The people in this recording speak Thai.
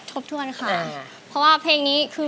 ทบทวนค่ะเพราะว่าเพลงนี้คือ